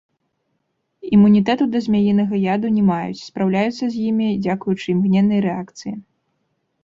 Імунітэту да змяінага яду не маюць, спраўляюцца з імі дзякуючы імгненнай рэакцыі.